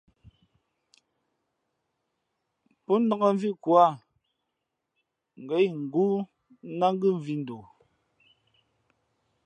Pō nāk mvi ko ǎ, ngα̌ ingóó ná ngʉ mvī ndoo.